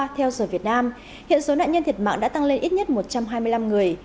theo giờ việt nam hiện số nạn nhân thiệt mạng đã tăng lên ít nhất một trăm hai mươi năm người